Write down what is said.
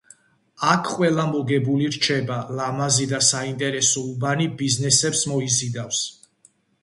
აქ ყველა მოგებული რჩება: ლამაზი და საინტერესო უბანი ბიზნესებს მოიზიდავს.